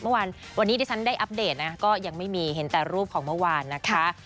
เมื่อวานวันนี้ที่ฉันได้อัปเดตนะก็ยังไม่มีเห็นแต่รูปของเมื่อวานนะคะ